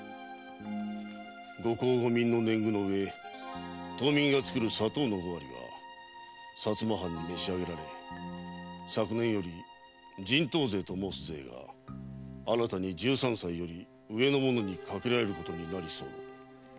「五公五民の年貢のうえ島民が作る砂糖の五割は薩摩藩に召し上げられ昨年より“人頭税”と申す税が新たに十三歳より上の者にかけられることになり候。